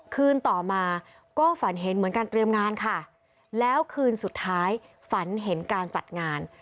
คืนต่อมาก็ฝันเห็นเหมือนการเตรียมงานค่ะแล้วคืนสุดท้ายฝันเห็นการจัดงาน